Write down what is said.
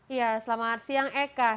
iya selamat siang eka